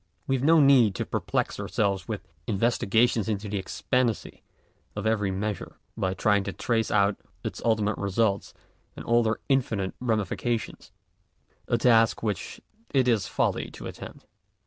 We have no need to perplex ourselves with investigations into the expediency of every measure, by trying to trace out its ultimate results in all their infinite ramifications — a task which it is folly to attempt.